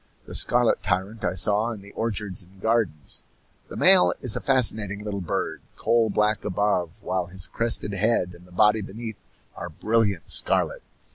The scarlet tyrant I saw in the orchards and gardens. The male is a fascinating little bird, coal black above, while his crested head and the body beneath are brilliant scarlet.